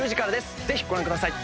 ぜひご覧ください！